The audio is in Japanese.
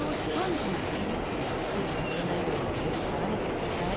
これ空気に触れないようによく絡めて下さい。